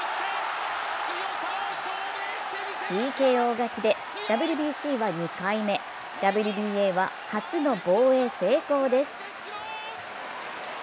ＴＫＯ勝ちでＷＢＣは２回目、ＷＢＡは初の防衛成功です。